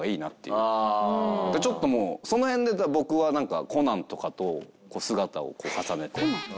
ちょっともうその辺で僕はコナンとかと姿を重ねて。